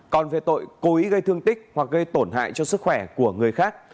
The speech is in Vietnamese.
còn về tội cố ý gây thương tích hoặc gây tổn hại cho sức khỏe của người khác